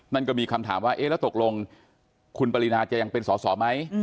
นั่นก็มีคำถามว่าเอ๊ะแล้วตกลงคุณปรินาจะยังเป็นสอสอไหม